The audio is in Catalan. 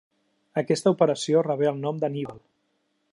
Aquesta operació rebé el nom d'Anníbal.